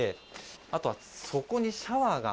あとはそこにシャワーが。